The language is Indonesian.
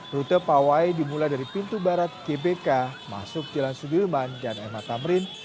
rute pawai dimulai dari pintu barat gbk masuk jalan sudirman dan mh tamrin